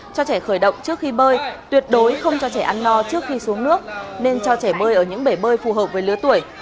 cho trẻ khởi động trước khi bơi tuyệt đối không cho trẻ ăn no trước khi xuống nước nên cho trẻ bơi ở những bể bơi phù hợp với lứa tuổi